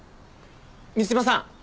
水島さん